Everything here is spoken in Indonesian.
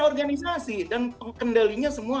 organisasi dan kendalinya semua